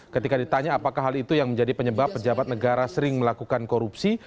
ketika ditanya apakah hal itu yang menjadi penyebab pejabat negara sering melakukan korupsi